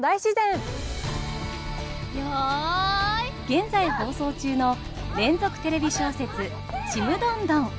現在放送中の連続テレビ小説「ちむどんどん」。